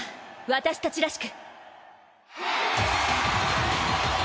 私たちらしく！